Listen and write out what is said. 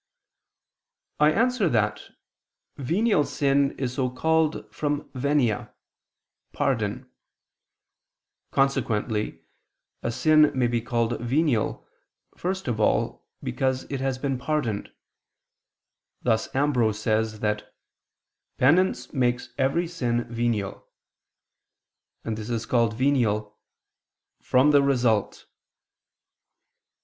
I answer that, Venial sin is so called from venia (pardon). Consequently a sin may be called venial, first of all, because it has been pardoned: thus Ambrose says that "penance makes every sin venial": and this is called venial "from the result."